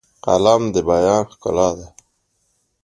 قلم د بیان ښکلا ده